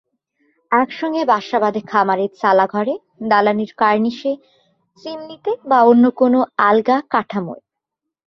একসঙ্গে বাসা বাঁধে খামারের চালাঘরে, দালানের কার্নিশে, চিমনিতে, বা অন্য কোনো আলগা কাঠামোয়।